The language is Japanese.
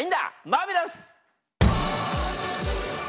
マーベラス！